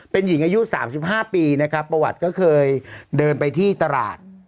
เป็นหญิงอายุ๓๕ปีนะครับประวัติก็เคยเดินไปที่ตลาด